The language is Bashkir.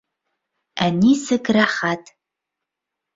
Ә нисек рәхәт